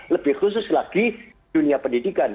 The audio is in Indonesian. lebih khusus lagi dunia pendidikan